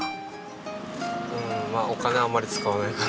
うーんまあお金あんまり使わないから。